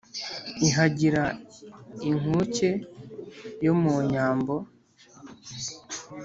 Ihagira inkuke yo mu nyambo